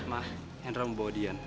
ma hendra membawa dian